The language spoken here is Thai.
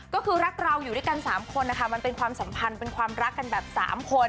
ก็คือรักเราอยู่ด้วยกัน๓คนนะคะมันเป็นความสัมพันธ์เป็นความรักกันแบบ๓คน